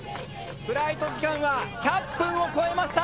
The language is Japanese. フライト時間は１００分を超えました。